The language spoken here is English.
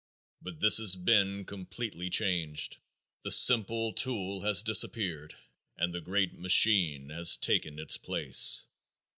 But this has been completely changed. The simple tool has disappeared and the great machine has taken its place.